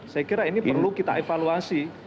saya kira ini perlu kita evaluasi